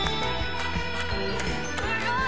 すごい。